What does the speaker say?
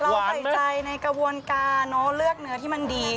เราใส่ใจในกระบวนการเนอะเลือกเนื้อที่มันดี